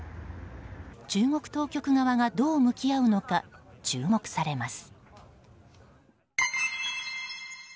中国当局側がどう向き合うのか注目されます。